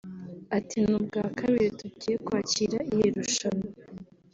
Ati "Ni ubwa kabiri tugiye kwakira iri rushanwa